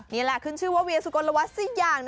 นี่แหละขึ้นชื่อว่าเวียสุกรวรรดิสี่อย่างนะคะ